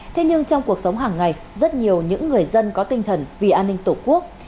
thế nhưng trong cuộc sống hàng ngày rất nhiều những người dân có tinh thần vì an ninh tổ quốc